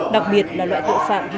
đặc biệt là loại tội phạm như bệnh nhân